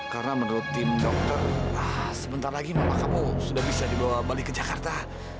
karena menurut tim dokter sebentar lagi mama kamu sudah bisa dibawa balik ke jakarta